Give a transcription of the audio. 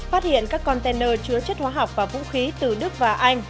phát hiện các container chứa chất hóa học và vũ khí từ đức và anh